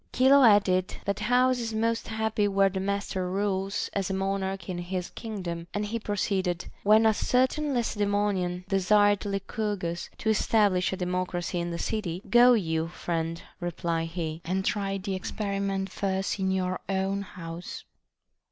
Chilo added, That house is most happy where the master rules as a monarch in his kingdom. And he proceeded, When a certain Lacedaemonian desired Lycurgus to establish a democracy in the city, Go you, friend, replied he, and try the experiment first in your own house.